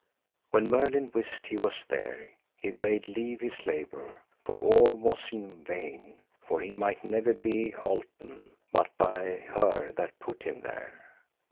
When Merlin wist he was there, he bade leave his labour, for all was in vain, for he might never be holpen but by her that put him there.